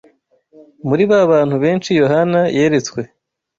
Muri ba bantu benshi Yohana yeretswe